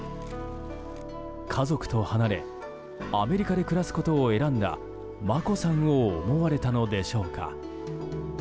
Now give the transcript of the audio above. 家族と離れアメリカで暮らすことを選んだ眞子さんを思われたのでしょうか。